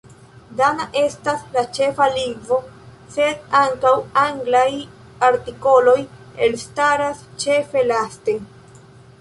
Dana estas la ĉefa lingvo, sed ankaŭ anglaj artikoloj elstaras ĉefe laste.